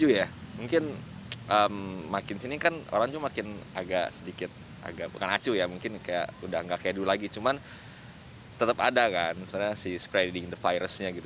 ya mungkin saya setuju banget sih harusnya